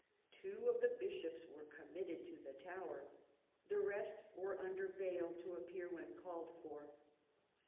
Two of the Bishops were committed to the Tower ; the rest were under bail to appear when called for.